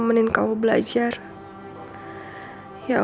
bukan saya pelakunya